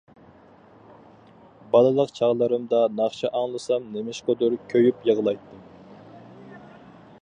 بالىلىق چاغلىرىمدا ناخشا ئاڭلىسام نېمىشقىدۇر كۆيۈپ يىغلايتتىم.